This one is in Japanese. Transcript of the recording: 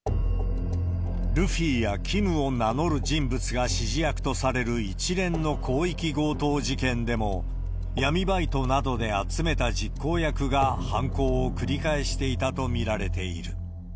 ルフィやキムを名乗る人物が指示役とされる一連の広域強盗事件でも、闇バイトなどで集めた実行役が犯行を繰り返していたと見られている。